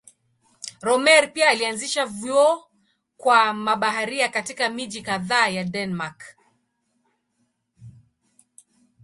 Rømer pia alianzisha vyuo kwa mabaharia katika miji kadhaa ya Denmark.